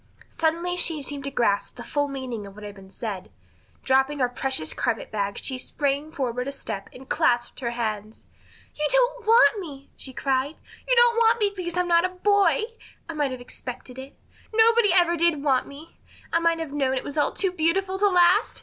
Suddenly she seemed to grasp the full meaning of what had been said. Dropping her precious carpet bag she sprang forward a step and clasped her hands. "You don't want me!" she cried. "You don't want me because I'm not a boy! I might have expected it. Nobody ever did want me. I might have known it was all too beautiful to last.